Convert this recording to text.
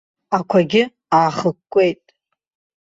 Ақәагьы аахыкәкәеит.